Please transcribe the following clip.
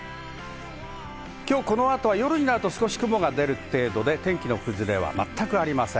この後、夜になると少し雲が出る程度で、天気の崩れは全くありません。